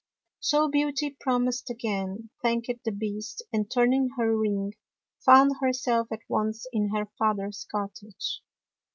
So Beauty promised again, thanked the Beast, and, turning her ring, found herself at once in her father's cottage.